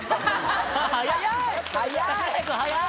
早い。